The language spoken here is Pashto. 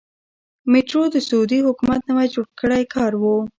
میټرو د سعودي حکومت نوی جوړ کړی کار و.